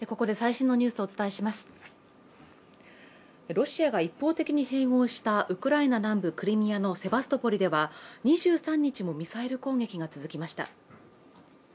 ロシアが一方的に併合したウクライナ南部クリミアのセバストポリでは２３日もミサイル攻撃が続きました。